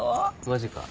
マジか。